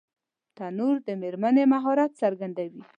تنور د مېرمنې مهارت څرګندوي